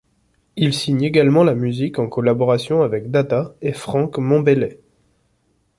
Il signe également la musique en collaboration avec Dada et Franck Monbaylet.